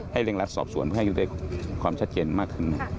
เร่งรัดสอบสวนเพื่อให้อยู่ในความชัดเจนมากขึ้น